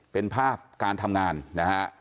เป็นภาพการทำงานนะฮะ